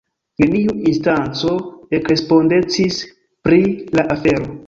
Neniu instanco ekrespondecis pri la afero.